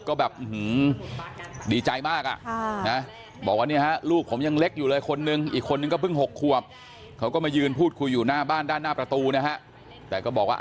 ก็แบบอื้อหือดีใจมากอ่ะ